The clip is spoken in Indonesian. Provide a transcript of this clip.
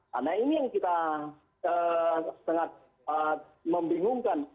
karena ini yang kita sangat membingungkan